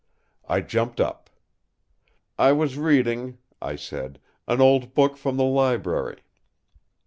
I jumped up. "I was reading," I said, "an old book from the library."